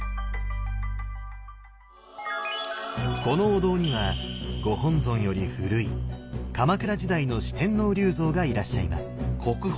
このお堂にはご本尊より古い鎌倉時代の四天王立像がいらっしゃいます。